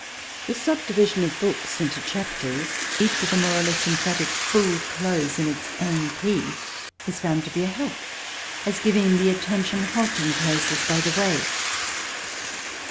The subdivision of books into chapters, each with a more or less emphatic full close in its own key, is found to be a help as giving the attention halting places by the way.